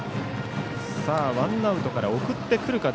ワンアウトから送ってくるか。